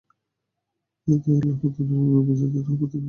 তাই আল্লাহ তাআলা রমজান মাসে তাঁর রহমতের দরজা অবারিত করে দেন।